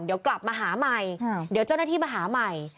เดี๋ยวกลับมาหาใหม่เดี๋ยวเจ้าหน้าที่มาหาใหม่